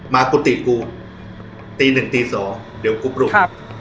มากุติกูตีหนึ่งตีสองเดี๋ยวกุบรุก